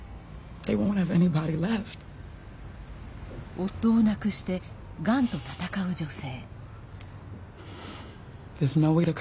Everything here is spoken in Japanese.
夫を亡くして、がんと闘う女性。